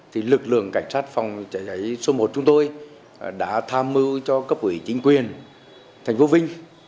thì lực lượng cảnh sát phòng cháy cháy số một chúng tôi đã tham mưu cho cấp ủy chính quyền thành phố vinh